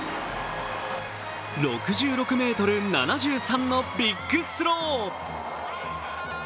６６ｍ７３のビッグスロー。